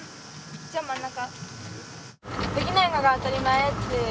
じゃあ真ん中。